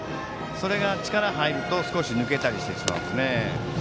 それが力が入ると少し抜けたりしてしまいますね。